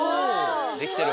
できてる！